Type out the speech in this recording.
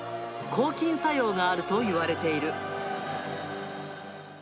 抗菌作用があるといわれている。